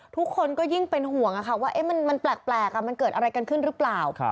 ทุกคนก็ยิ่งเป็นห่วงว่ามันแปลกมันเกิดอะไรกันขึ้นหรือเปล่า